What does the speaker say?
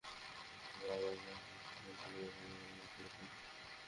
বাবা-মা হওয়ার জন্যে বাচ্চা জন্ম দেওয়ার প্রয়োজন হয় না।